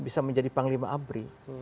bisa menjadi panglima abri